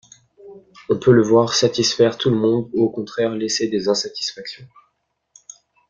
On peut le voir satisfaire tout le monde ou au contraire laisser des insatisfactions.